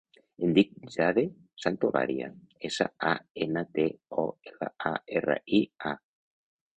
Em dic Jade Santolaria: essa, a, ena, te, o, ela, a, erra, i, a.